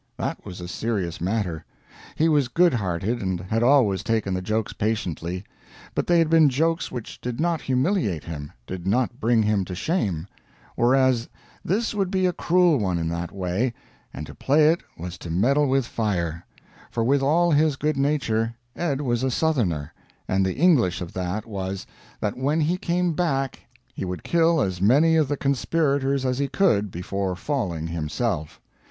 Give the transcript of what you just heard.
That was a serious matter. He was good hearted, and had always taken the jokes patiently; but they had been jokes which did not humiliate him, did not bring him to shame; whereas, this would be a cruel one in that way, and to play it was to meddle with fire; for with all his good nature, Ed was a Southerner and the English of that was, that when he came back he would kill as many of the conspirators as he could before falling himself.